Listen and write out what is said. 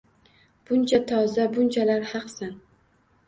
Buncha toza, bunchalar haqsan.